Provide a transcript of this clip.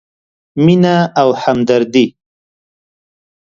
مینه او همدردي: